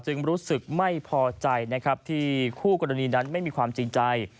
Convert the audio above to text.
รู้สึกไม่พอใจนะครับที่คู่กรณีนั้นไม่มีความจริงใจ